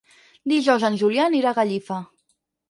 Dijous en Julià anirà a Gallifa.